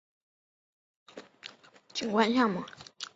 潘普利亚现代建筑是巴西的一处现代城市景观项目。